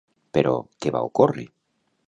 Però, què va ocórrer?